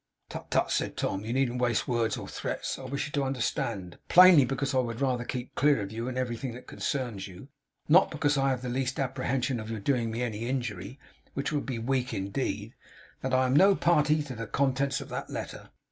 'Tut, tut,' said Tom, 'you needn't waste words or threats. I wish you to understand plainly because I would rather keep clear of you and everything that concerns you: not because I have the least apprehension of your doing me any injury: which would be weak indeed that I am no party to the contents of that letter.